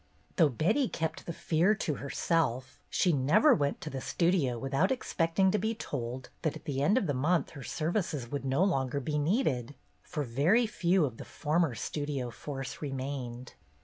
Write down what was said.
Though Betty, kept the fear to herself, she never went to the Studio without expecting to be told that at the end of the month her services would no longer be needed; for very few of the former Studio force remained.